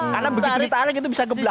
karena begitu ditarik itu bisa geblak